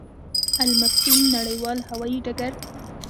المکتوم نړیوال هوايي ډګر